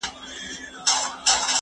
زه درسونه لوستي دي!!